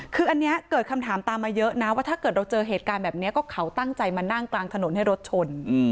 คืออันนี้เกิดคำถามตามมาเยอะนะว่าถ้าเกิดเราเจอเหตุการณ์แบบนี้ก็เขาตั้งใจมานั่งกลางถนนให้รถชน